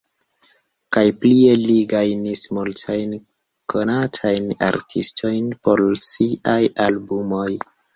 Kaj plie li gajnis multajn konatajn artistojn por siaj albumoj.